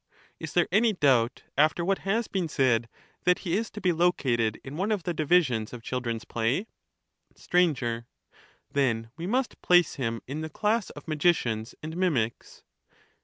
Is there any doubt, after what has been said, that he is to be located in one of the divisions of children's play ? Sir. Then we must place him in the class of magicians and mimics.